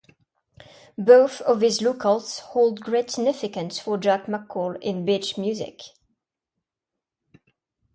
Both of these locales hold great significance for Jack McCall in "Beach Music".